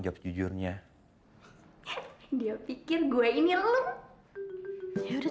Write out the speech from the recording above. jajurnya dia pikir gue ini lu ya udah